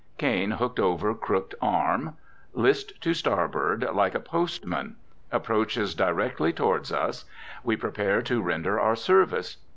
Cane hooked over crooked arm. List to starboard, like a postman. Approaches directly toward us. We prepare to render our service.